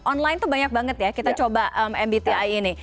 online tuh banyak banget ya kita coba mbti ini